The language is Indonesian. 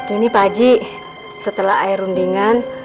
ini pak haji setelah air rundingan